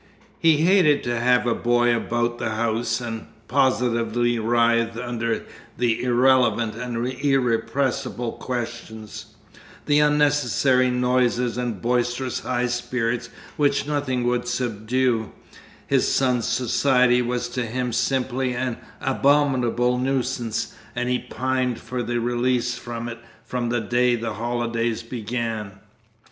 He hated to have a boy about the house, and positively writhed under the irrelevant and irrepressible questions, the unnecessary noises and boisterous high spirits which nothing would subdue; his son's society was to him simply an abominable nuisance, and he pined for a release from it from the day the holidays began.